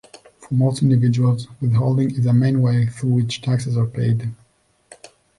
For most individuals, withholding is the main way through which taxes are paid.